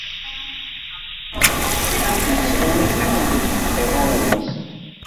Ur d-ittɣimi yiwen deg yiqiḍunen-nsen.